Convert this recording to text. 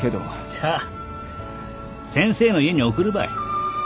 じゃ先生の家に送るばい。